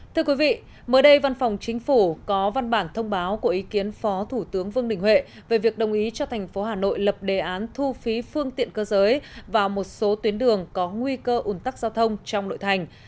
thưa quý vị mới đây văn phòng chính phủ có văn bản thông báo của ý kiến phó thủ tướng vương đình huệ về việc đồng ý cho thành phố hà nội lập đề án thu phí phương tiện cơ giới vào một số tuyến đường có nguy cơ ủn tắc giao thông trong nội thành